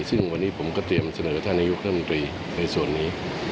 ซึ่งวันนี้ผมก็เตรียมเสนอท่านนายกรัฐมนตรีในส่วนนี้